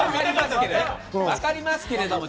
分かりますけれど。